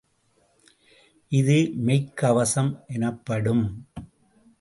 இது மெய்க் கவசம் எனப்படும்.